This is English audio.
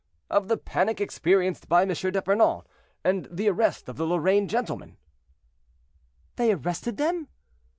"Of the panic experienced by M. d'Epernon and the arrest of the Lorraine gentlemen." "They arrested them?"